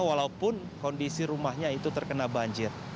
walaupun kondisi rumahnya itu terkena banjir